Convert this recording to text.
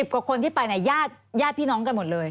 กว่าคนที่ไปเนี่ยญาติพี่น้องกันหมดเลย